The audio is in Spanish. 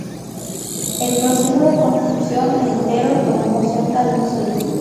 El proceso de construcción entero tomó cerca de un siglo.